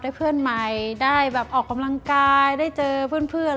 เพื่อนใหม่ได้แบบออกกำลังกายได้เจอเพื่อน